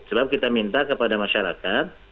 sebab kita minta kepada masyarakat